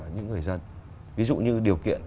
những người dân ví dụ như điều kiện